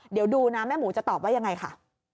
เดี๋ยวดูนะแม่หมูจะตอบว่ายังไงค่ะ